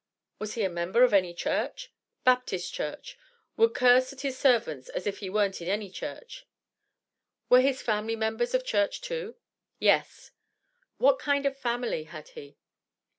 "Was he a member of any church?" "Baptist church would curse at his servants as if he wern't in any church." "Were his family members of church, too?" "Yes." "What kind of family had he?"